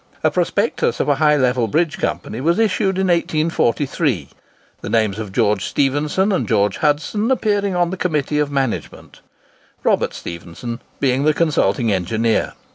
A prospectus of a High Level Bridge Company was issued in 1843, the names of George Stephenson and George Hudson appearing on the committee of management, Robert Stephenson being the consulting engineer.